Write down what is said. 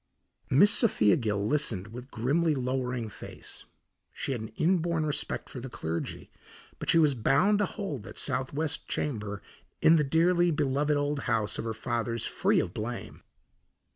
Miss Sophia Gill listened with grimly lowering face. She had an inborn respect for the clergy, but she was bound to hold that southwest chamber in the dearly beloved old house of her fathers free of blame.